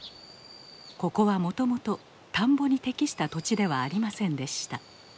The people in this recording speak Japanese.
ここはもともと田んぼに適した土地ではありませんでした。